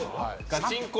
ガチンコ